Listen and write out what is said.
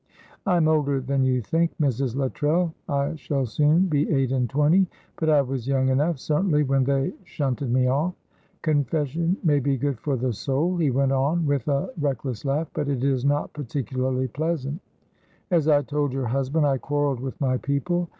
"I am older than you think, Mrs. Luttrell I shall soon be eight and twenty but I was young enough, certainly, when they shunted me off. Confession may be good for the soul," he went on, with a reckless laugh; "but it is not particularly pleasant. As I told your husband, I quarrelled with my people.